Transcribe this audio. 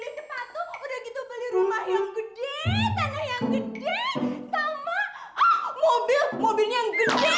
terus beli sepatu udah gitu beli rumah yang gede tanah yang gede sama mobil mobilnya yang gede